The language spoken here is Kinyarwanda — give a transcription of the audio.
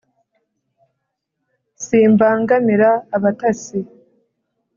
Simbangamira abatasi;